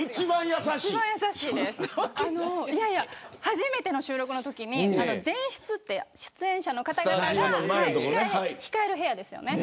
初めての収録のときに前室っていう出演者の方が控える部屋ですよね。